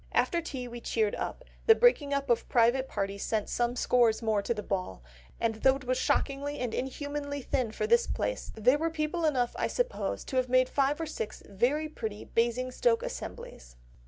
After tea we cheered up; the breaking up of private parties sent some scores more to the ball, and though it was shockingly and inhumanly thin for this place, there were people enough, I suppose, to have made five or six very pretty Basingstoke assemblies."